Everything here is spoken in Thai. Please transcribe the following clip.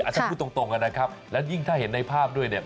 ถ้าพูดตรงนะครับแล้วยิ่งถ้าเห็นในภาพด้วยเนี่ย